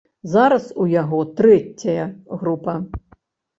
Зараз у яго трэцяя група.